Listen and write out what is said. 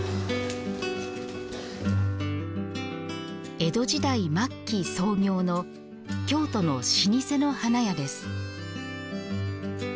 江戸時代末期創業の京都の老舗の花屋です。